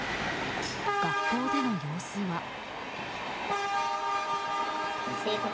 学校での様子は。